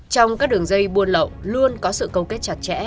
trong các đường dây buôn lậu luôn có sự câu kết chặt chẽ